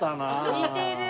似てる。